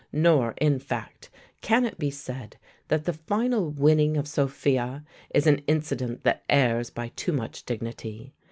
Nor, in fact, can it be said that the final winning of Sophia is an incident that errs by too much dignity.